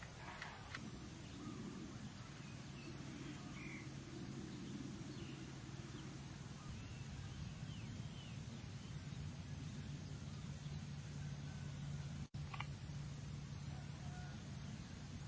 พันไหน